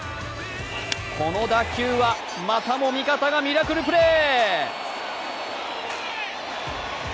この打球は、またも味方がミラクルプレー。